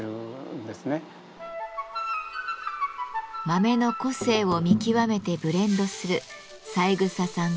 豆の個性を見極めてブレンドする三枝さん